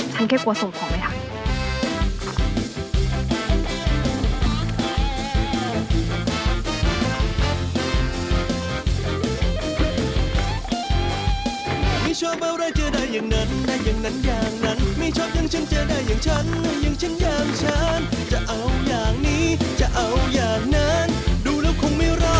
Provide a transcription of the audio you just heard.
ฉันแค่กลัวส่งของให้ทำ